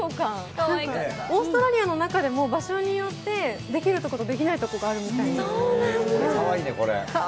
オーストラリアの中でも場所によって、できるところとできないところがあるみたい。